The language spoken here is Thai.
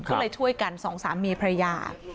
ก็เลยช่วยกัน๒๓มีพระยา